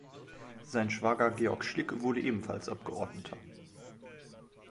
Sein Schwager Georg Schlick wurde ebenfalls Abgeordneter.